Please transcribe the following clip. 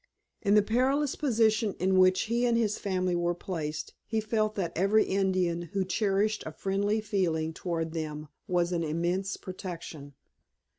In the perilous position in which he and his family were placed he felt that every Indian who cherished a friendly feeling toward them was an immense protection.